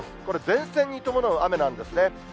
これ、前線に伴う雨なんですね。